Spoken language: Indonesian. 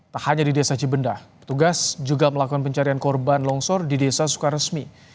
tak hanya di desa cibendah petugas juga melakukan pencarian korban longsor di desa sukaresmi